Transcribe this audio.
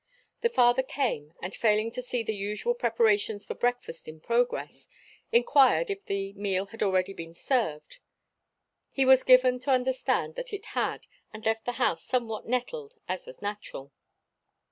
The father came and failing to see the usual preparations for breakfast in progress inquired if the meal had already been served, he was given to understand that it had and left the house somewhat nettled as was natural.